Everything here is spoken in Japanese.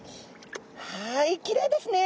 はいきれいですね。